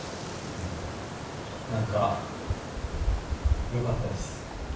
何かよかったです。